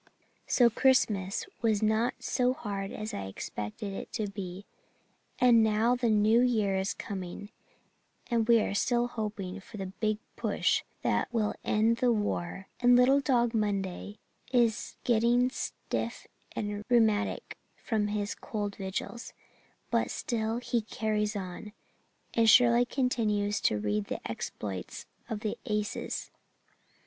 "So Christmas was not so hard as I expected it to be; and now the New Year is coming and we are still hoping for the 'Big Push' that will end the war and Little Dog Monday is getting stiff and rheumatic from his cold vigils, but still he 'carries on,' and Shirley continues to read the exploits of the aces.